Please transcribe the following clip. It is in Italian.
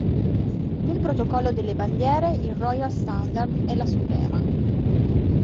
Nel protocollo delle bandiere, il Royal Standard è la suprema.